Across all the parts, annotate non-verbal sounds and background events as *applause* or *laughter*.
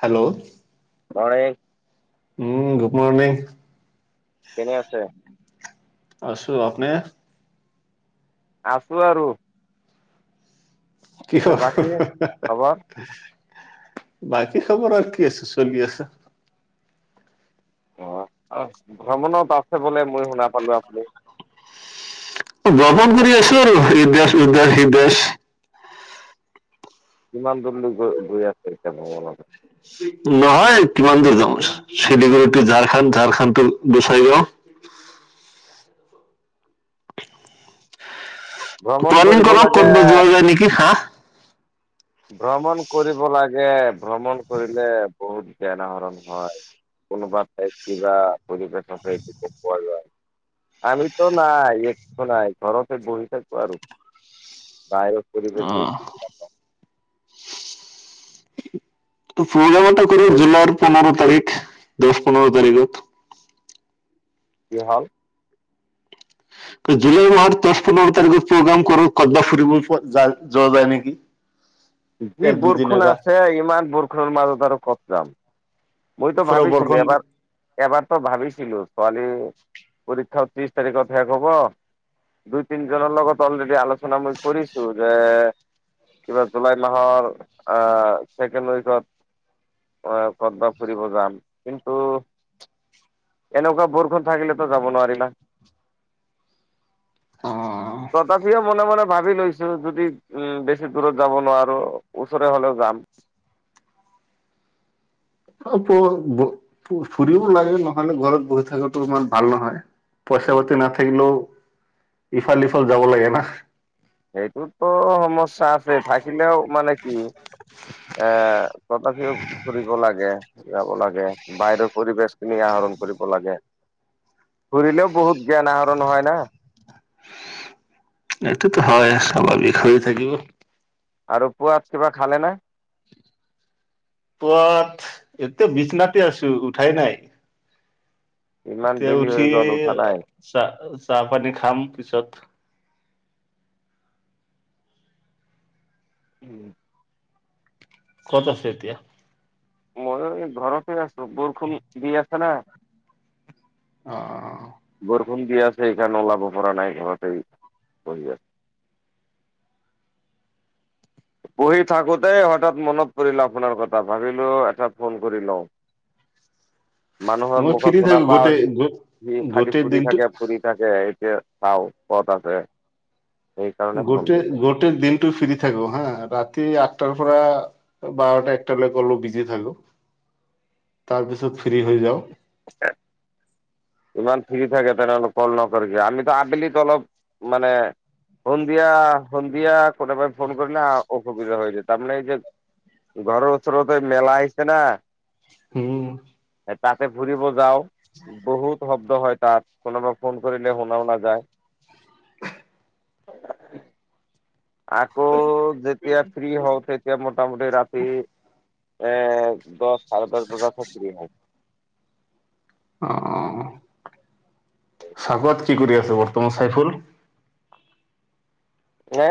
Hello morning উম, good morning. কেনে আছে? আছো। আপনে? আছো আৰু। কিয় পিছে হা হা বাকী হা খবৰ? হা। বাকী খবৰ আৰু কি আছে চলি আছে। অ, ভ্ৰমণত আছে বোলে মই শুনা পালো আপুনি? ভ্ৰমণ কৰি আছো আৰু ইদাস, উদদাস, ইদাস। কিমান দূৰলৈ গৈ, গৈ আছে এতিয়া মনত? নহয় কিমান দূৰ যাওঁ চিলিগুৰি টো ঝাৰখান, ঝাৰখান টো গচাই গাঁও। ভ্ৰমণ প্লেনিং কৰিব কৰক লাগে ক'তবা যোৱা যায় নেকি হা। ভ্ৰমণ কৰিব লাগে। ভ্ৰমণ কৰিলে বহুত জ্ঞান আহৰণ হয়। কোনোবা ক কিবা পৰিৱেশৰ পৰা এইটো গম পোৱা যায়। আমিতো নাই একো নাই ঘৰতে বহি থা- কো আৰু বাহিৰত অ পৰিৱেশবোৰ *unintelligible* প্ৰজাম এটা কৰি জুলাইৰ পণৰো তাৰিখ, দশ পনৰো তাৰিখত। কি হ'ল? জুলাই মাহৰ দশ পোন্ধৰ তাৰিখত প্ৰগ্ৰাম কৰক কতবা ফুৰিব যাই, যোৱা যায় নেকি? যি এক দুদিন বৰষুণ এটা আছে ইমান বৰষুণৰ মাজত আৰু ক'ত যাম? মইতো পুৰা ভাবিছিলো বৰষুণ দি এবাৰ, এবাৰতো ভাবিছিলো ছোৱালী পৰীক্ষা ত্ৰিছ তাৰিখত শেষ হ'ব দুই তিনিজনৰ লগত অলৰেডি আলোচনা মই কৰিছো যে- কিবা জুলাই মাহৰ, আহ ছেকেণ্ড উইকত অ ক'তবা ফুৰিব যাম কিন্তু এনেকুৱা বৰষুন থাকিলেতো যাব নোৱাৰি না,, অ তথাপিও মনে মনে ভাবি লৈছো যদি উম বেছি দূৰত যাব নোৱাৰো ওচৰে হলেও যাম। অ *unintelligible* অ ফুৰিবও লাগে নহলে ঘৰত বহি থকাতটো ইমান ভাল নহয়। পইচা পাতি নাথাকিলেও ইফাল সিফাল যাব লাগে না। সেইটোতো সমস্যা আছে থাকিলেও মানে কি এ ফুৰিব লাগে যাব লাগে বাহিৰৰ পৰিবেশ খিনি আহৰণ কৰিব লাগে, ঘূৰিলেও বহুত জ্ঞান আহৰণ হয় ন? এইটোতো হয় স্বাভাৱিক হৈ থাকিব। আৰু পোৱাত কিবা খালে নে? পোৱাত এতিয়া বিচনাতে আছো উঠাই নাই। ইমান তে বেলি হৈ উঠি গ'ল উঠা নাই চাহ চাহ পানী খাম পিছত উম। ক'ত আছে এতিয়া। মইও ঘৰতে আছো বৰষুণ দি আছ না। অ অ। দি আছে সেইকাৰণে ওলাব পৰা নাই ঘৰতে *unintelligible* পঢ়ি থাকোতেই হঠাৎ মনত পৰিল আপোনাৰ কথা ভাবিলো এটা ফোন কৰি লওঁ। উ *unintelligible* মানুহৰ মুখত শুনা পাওঁ, গো সি খালি গোটেই ফুৰি দিনটো থাকে ফুৰি থাকে। কে চাও ক'ত আছে? সেইকাৰণে ফোন দিলো গোটেই-গোটেই দিনটো ফ্ৰী থাকো হা। ৰাতি আঠটাৰ পৰা বাৰটা একটালৈকে অলপ বিজি থাকোঁ। তাৰ পিছত ফ্ৰী হৈ যাওঁ। *inaudible* ইমান ফ্ৰী থাকে, তেনেহ'লে কল নকৰে কিয়? আমিতো আবেলিত অলপ মানে, সন্ধিয়া-সন্ধিয়া কোনবাই ফোন কৰিলে অসুবিধা হৈ যায়, তাৰমানে এই যে ঘৰৰ ওচৰতে মেলা আহিছে না। উম। তাতে ফুৰিব যাওঁ বহুত। শব্দ হয় তাত, কোনোবাই ফোন কৰিলে শুনাও নাযায়। *inaudible* আকৌ যেতিয়া ফ্ৰী হওঁ, তেতিয়া মোটামুটি ৰাতি এ, দহ-চাৰে দহ বজাতহে ফ্ৰী হওঁ। অ' চাবুৱাত কি কৰি আছে বৰ্তমান চাইফুল? এ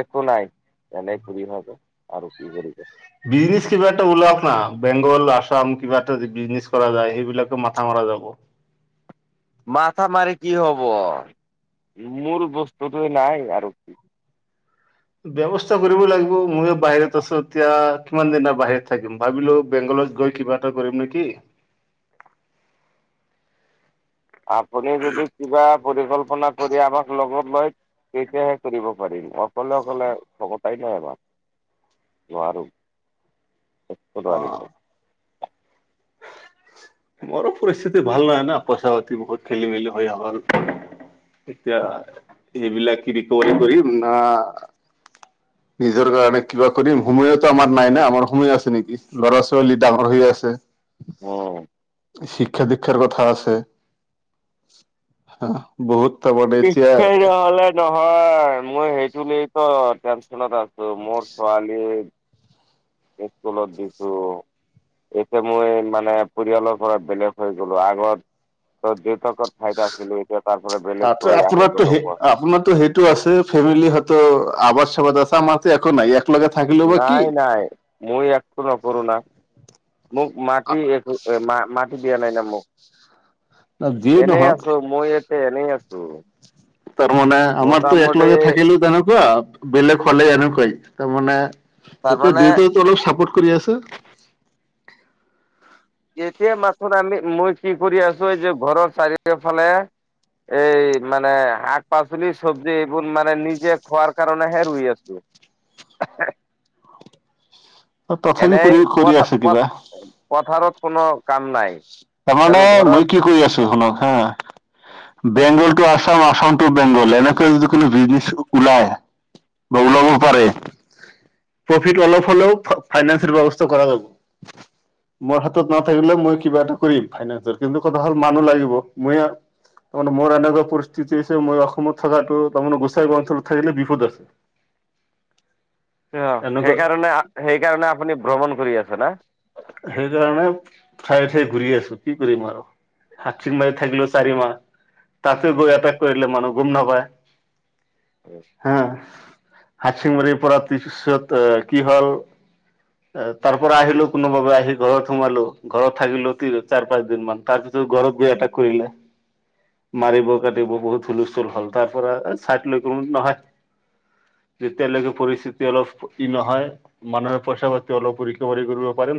একো নাই, এনে ফুৰি থাকোঁ, আৰু কি কৰিব? বিজনেছ কিবা এটা ওলাৱক না? বেংগল-আসাম কিবা এটা যদি বিজনেছ কৰা যায়। সেইবিলাক মাথা পোৱা যাব। মাথা মাৰি কি হব? মোৰ বস্তুটোৱে নাই আৰু কি। ব্যৱস্থা কৰিব লাগিব, ময়ো বাহিৰত আছোঁ এতিয়া কিমান দিনৰ বাহিৰত থাকিম। ভাবিলো বেংগল কলেজ গৈ কিবা এটা কৰিম নেকি? আপুনি যদি কিবা পৰিকল্পনা কৰি আমাক লগত লৈ তেতিয়াহে কৰিব পাৰিম অকলে অকলে তাই। *inaudible* অ মোৰো পৰিস্থিতি ভাল নহয় না পইচা-পাতি বহুত খেলি-মেলি হৈ আ আৰু। এতিয়া এইবিলাক কি ৰিকভাৰী কৰিমনা নিজৰ কাৰণে কিবা কৰিম, সময়তো আমাৰ নাই না। আমাৰ সময়ো আছে নেকি? ল'ৰা‌, ছোৱালী ডাঙৰ হৈ আছে। অ'। শিক্ষা দিক্ষাৰ কথা আছে। হা, বহুত তাৰমানে *unintelligible* এতিয়া হয়, মই সেইটোলেতো টেনচনত আছোঁ, মোৰ ছোৱালী ইস্কুলত দিছোঁ। এতিয়া মই মানে পৰিয়ালৰ পৰা বেলেগ হৈ গলোঁ, আগত *unintelligible* আছিলোঁ এতিয়া তাৰ পৰা বেলেগ ত' হৈ আহি আপোনাৰটো গ'লোঁ হেই, মই আপোনাৰটো হেইটো আছে ফেমিলিহঁতৰ *unintelligible* নাই নাই, মই একো নপ়ৰো না। মোক মাটি একো মা-মাটি দিয়া নাই না, মোক। যিয়ে এনেই নহওক আছোঁ, মোৰ ইয়াতে এনে আছ তাৰমানে আমাৰতো মোটামুটি একলগে থাকিলোঁ তেনেকুৱা, বেলেগ হ'লেই এনেকুৱাই তাৰমানে এতিয়া তাৰমানে দেউতায়েটো অলপ চাপোৰ্ট কৰি আছে। এতিয়া মাথোন আমি মই কি কৰি আছোঁ এই যে ঘৰৰ চাৰিওফালে এই মানে শাক-পাচলি, চবজি এইবোৰ মানে নিজে খোৱাৰ কাৰণেহে ৰুই আছোঁ। *inaudible* তথাপি এনেই কৰি কৰি পথ আছে কিবা পথাৰত কোনো কাম নাই। তাৰমানে মই কি কৰি আছোঁ শুনক হা, বেংগল আছাম আছাম টু বেংগল এনেকৈ যদি কোনো বিজনেছ ওলাই বা ওলাব উম, পাৰে। প্ৰফিট অলপ হ'লেও ফাইনেন্সৰ ব্যৱস্থা কৰা যাব। মোৰ হাতত নাথাকিলে মই কিবা এটা কৰিম ফাইনেন্সৰ কিন্তু কথা হ'ল মানুহ লাগিব মই তাৰমানে মোৰ এনেকুৱা পৰিস্থিতি হৈছে মই অসমত থকাটো তাৰমানে গোচাইগাঁও অঞ্চলত থাকিলে বিপদ আছে। *inaudible* এনেকুৱা সেইকাৰণে সেইকাৰণে আপুনি ভ্ৰমণ কৰি আছে না? সেইকাৰণে ঠায়ে ঠায়ে ঘূৰি আছোঁ কি কৰিম আৰু? *unintelligible* হা হাচিংমাৰীৰ পৰা তিছত এ কি হল এ তাৰ পৰা আহিলোঁ কোনো বাবে আহি ঘৰত সোমালোঁ, ঘৰত থাকিলোঁ, তিন চাৰ পাঁচ দিন মান, তাৰ পিছত ঘৰত গৈ এটা কৰিলে। মাৰিব কাটিব বহুত হুলস্থুল হ'ল, তাৰ পৰা ছাইড লৈ কোনো নহয়। যেতিয়ালৈকে পৰিস্থিতি অলপ ই নহয় মানুহে পইচা পাতি অলপ ৰিকভাৰী কৰিব। *unintelligible* *unintelligible* গলোঁ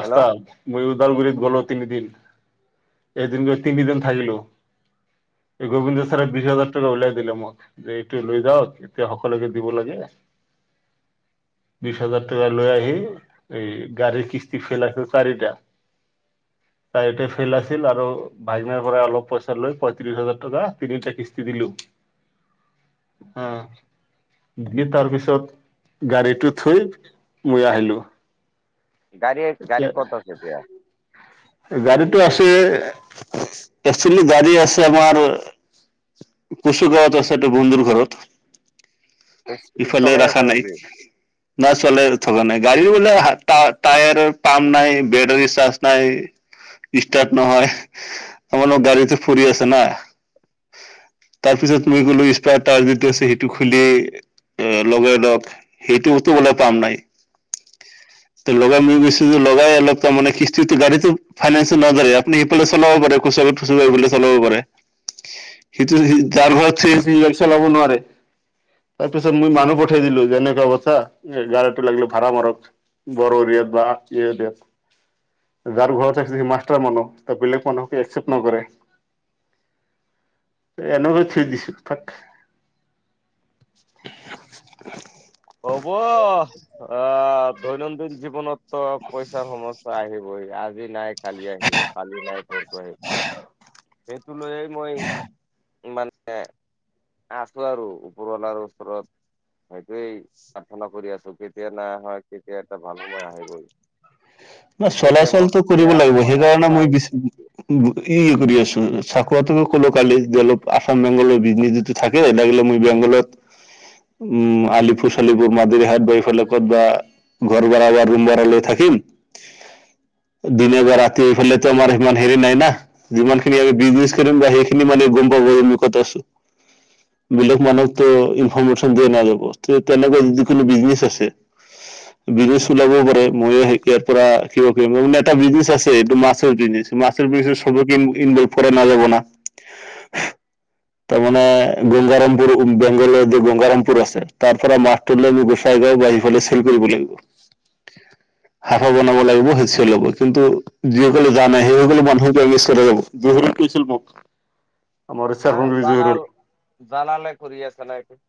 হেল্ল' তিনিদিন এইদিন গ তিনি দিন থাকিলোঁ। এই গোবিন্দ ছাৰে বিশ হাজাৰ টকা উলিয়াই দিলে মোক যে এইটো লৈ যাওঁক এতিয়া সকলোকে দিব লাগে। *inaudible* বিশ হাজাৰ টকা লৈ আহি এই গাড়ীৰ কিস্তি ফেলাইছে চাৰিটা। উ তাই ইতে ফেইল আছিল আৰু ভাইনাৰ পৰা অলপ পইচা লৈ পঁয়ত্ৰিশ হাজাৰ টকা তিনিটা কিস্তি দিলোঁ। অ' ই তাৰপিছত গাড়ীটো থৈ মই আহিলোঁ। গাড়ী গাড়ী ক'ত আছে এতিয়া গাড়ীত আছে একচুৱেলি গাড়ী আছে আমাৰ কচু গাঁৱত আছে এটা বন্ধুৰ ঘৰত। ইফালে চলাই ৰাখা আছে নাই, নেকি না চোৱালে থকা নাই। গাড়ী বোলে টায়াৰ পাম্প নাই বেটাৰী চাৰ্জ নাই ষ্টাৰ্ট নহয় আমাৰ গাডীতে ফৰি আছে ন। তাৰ পিছত মই গ'লো স্প টাৱাৰ যিটো আছে সেইটো খুলি এ লগে লগও সেইটোটো গ'লে পাম নাই। তে লগাই মই গৈছো যে লগাই অলপ তাৰমানে কিস্ত গাড়ীটো ইনেঞ্চিয়েল নদৰে আপুনি সফালে চাব পাৰে। চ চলাবও পাৰে। সেইটো যাৰ ঘৰত গড়ী চলাব নোৱাৰে। তাৰ পিছত মই মানুহ পঠিয়াই দিলো যেনেকুৱা বথাা গড়াটো লাগিলে ভাড়া মাৰক। বৰৰাত বাত যাৰ ঘৰত মাষ্টাৰ মানুহ বেলেগ মানুহকে একচেপট নকৰে। এনেক থুই দিছো তাক। *inaudible* হ'ব আহ দৈনন্দিন জীৱনত ত পইচাৰ সমস্যা আহিবই আজি নাই কালী আহিব পৰসী নাই সেইটো লৈয়ে মই মানে আছো আৰু ওপৰৱালাৰ ওচৰত সেইটোৱেই প্ৰাৰ্থনা কৰি আছো কেতিয়া নাই হয় কেতিয়া এটা ভাল সময় আহি গ'ল। ন চলাচলটো কৰিব লাগিব সময় সেইকাৰণে আহিছে মই আহিছে ই কৰি আছো। চাকৰিটো কলো কালি অলপ আসাম বেংগলৰ বিজনে যটো থাকে লাগিলে মই বেংগলত উম আলিফুচলিব মাদিৰী হাত বোৱাৰফালে ক'ত বা ঘৰ ভাড়া বা ৰুম ভাড়া লৈ থাকিম। দিনে বা ৰাতিফালেতো আমাৰ ইমান হেৰি নাই ন। যিমানখিনি আমি বিজনেছ কৰিম বা সেইখিনি মানে গম পাব আমি কথা আছো। বেলেগ মানুহকতো ইনফৰৰ্মেশ্যন দিয়া নাযাব তে তেনেকুৱা যদি কোনো বিজনেচ আছে। বিছনেচ ওলাব পাৰে ময়ে ইয়াত। এটা বিজ আছে এইটো মছৰ বি মাছ বি সব ইনভল কৰা নাযাব। *inaudible* তাৰ মমানে গংগাৰামপুৰ বেংগলৰ য গংগাৰামপুৰ আছে তাৰ পৰা মাছটো গোচাই বা ইফালে চেল কৰিব লাগিব। হাফৰ বনাব লাগিব হেঁচ ল'ব কিন্তু যিসকলে জানে সেইসকলে মানুহি যাব যি শিল্পক আমাৰ ন চাৰফুলগুৰি জহুৰুল জালাল জালালে কৰিয আছে নাইটো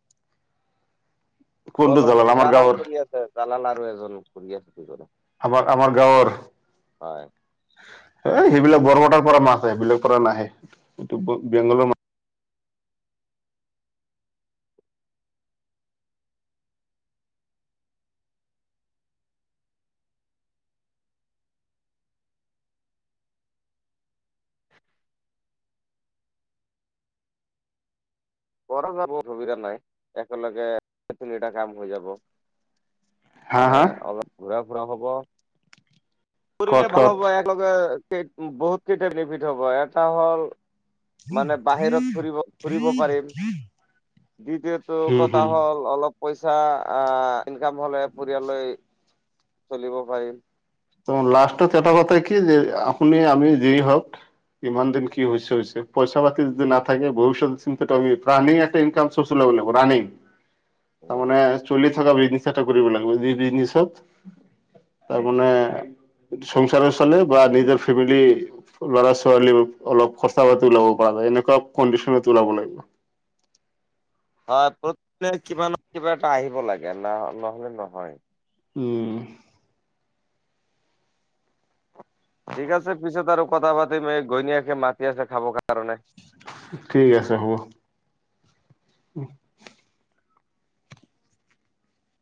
কোনটো পলম কৰি আমাৰ জালাল গাঁৱৰ কৰি আছে জালাল আৰু এজন কৰি আছে ক ঘৰ হয়। এ সেইবিলাক বৰপেটাৰ পৰা মাছ আহে। সেইবিলাক পৰা নাহে এই বেংগলৰ মাছ *inaudible* কৰা যাব অসুবিধা নাই একেলগে তিনিটা কাম হৈ যাব। হা মানে হা অলপ ঘূৰা ফুৰা হ'ব। কত কৰিলে ভাল কত হ'ব একেলগেেই বহুত কেইটা বেনিফিট হ'ব। এটা হ'ল মানে বাহিৰত ফুৰিব ফুৰিব পাৰিম। দ্বিতীয়টো হম কথা হম হ'ল অলপ পইচা আহ ইনকাম হ'লে পৰিয়াললৈ চলিব পাৰি। ত লাষ্টত এটা কথা কি যে আপুনি আমি যেই হওক ইমান দিন কি হৈছে হৈছে পইচা পাতি যদি ন থাকে ভৱিষ্যত চিন্তামি প্ৰাণেটা ইনকাম চচ তাৰ মান উম, চলি থকা বিজনেছ এটা কৰিব লাগিব যি বিজনেছত তাৰ মানে সংসাৰ চলে বা নিজৰ ফেমিলি ল'ৰা ছোৱালী অলপ খচা পা ওলাব পৰা যায়। এনেকুৱা কণ্ডিচনে ওলাব লাগিব। হয় প্ৰতিদি কিবা ন কিবা এটা আহিব লাগে ন নহলে নহয়। উম। ঠিক আছে পিছত আৰু কথা পাতিম এই ঘৈণীয়েকে মাতি আছে খাব কাৰ। ঠিক আছে হ'ব। উ